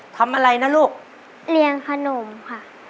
ทำอะไรนะลูกเลี้ยงขนมค่ะ